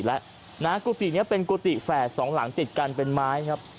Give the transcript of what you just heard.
และกุฏินี้เป็นกุฏิแฝดสองหลังติดกันเป็นไม้ครับ